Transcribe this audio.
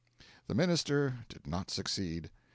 The minister did not succeed.